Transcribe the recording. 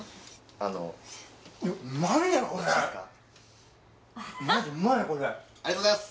ありがとうございます！